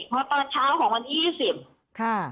พอตอนเช้าของวันที่๒๐ค่ะ